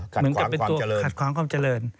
คัดขวามความเจริญค่ะคัดขวามความเจริญ